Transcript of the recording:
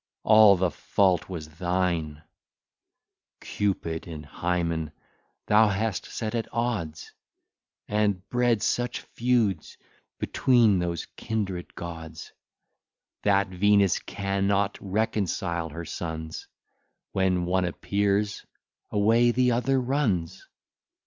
all the fault was thine: Cupid and Hymen thou hast set at odds, And bred such feuds between those kindred gods, That Venus cannot reconcile her sons; When one appears, away the other runs.